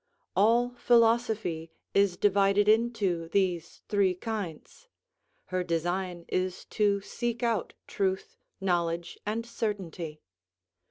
All philosophy is divided into these three kinds; her design is to seek out truth, knowledge, and certainty.